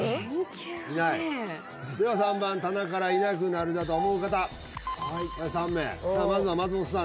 いない電球ねでは３番棚からいなくなるだと思う方はい３名まずは松本さん